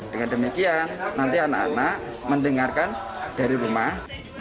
dengan demikian nanti anak anak mendengarkan dari rumah